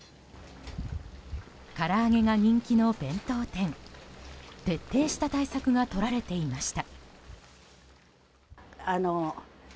から揚げが人気の弁当店徹底した対策が取られていました。